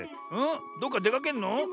どっかでかけんの？